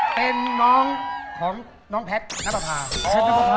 เป็นน้องของน้องแพ็ดนะมาภา